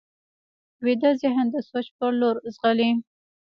ویده ذهن د سوچ پر لور ځغلي